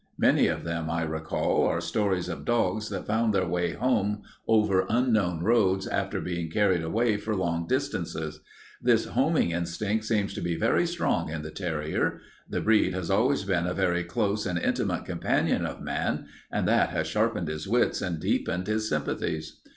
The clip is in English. Many of them, I recall, are stories of dogs that found their way home over unknown roads after being carried away for long distances. This homing instinct seems to be very strong in the terrier. The breed has always been a very close and intimate companion of man, and that has sharpened his wits and deepened his sympathies.